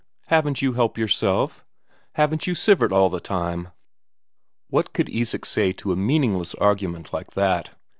Haven't you help yourself? Haven't you Sivert all the time?" What could Isak say to a meaningless argument like that?